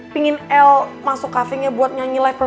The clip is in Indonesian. pengen el masukancafe nya buat nyanyi life proasi